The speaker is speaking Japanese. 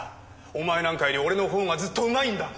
お前なんかより俺の方がずっとうまいんだ！